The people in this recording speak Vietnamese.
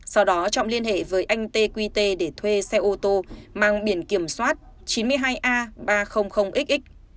sau đó trọng liên hệ với anh tê quy tê để thuê xe ô tô mang biển kiểm soát chín mươi hai a ba trăm linh xx